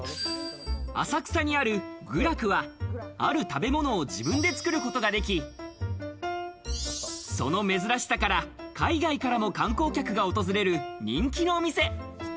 浅草にある求楽は、ある食べ物を自分で作ることができ、その珍しさから、海外からも観光客が訪れる人気のお店。